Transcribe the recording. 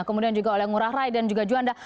kemudian juga oleh ngurah rai dan juga juanda